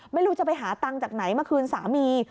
ไม่รู้จะไปหาตังค์จากไหนมาคืนสามี